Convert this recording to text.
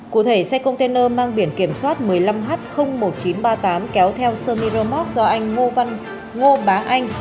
cụ thể xe container mang biển kiểm soát một mươi năm h một nghìn chín trăm ba mươi tám kéo theo sermi remote do anh ngô bá anh